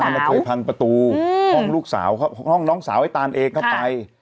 เคยพันประตูห้องลูกสาวห้องน้องสาวไอ้ตานเองเข้าไป